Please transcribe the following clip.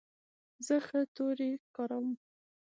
زه ښه توري کاروم.